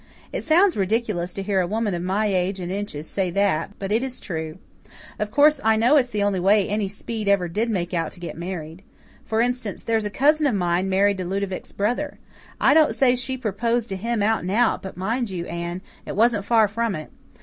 It sounds ridiculous to hear a woman of my age and inches say that, but it is true. Of course, I know it's the only way any Speed ever did make out to get married. For instance, there's a cousin of mine married to Ludovic's brother. I don't say she proposed to him out and out, but, mind you, Anne, it wasn't far from it.